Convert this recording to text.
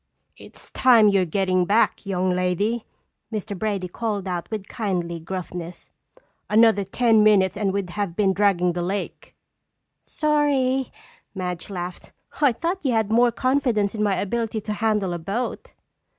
"It's time you're getting back, young lady!" Mr. Brady called out with kindly gruffness. "Another ten minutes and we'd have been dragging the lake." "Sorry," Madge laughed. "I thought you had more confidence in my ability to handle a boat."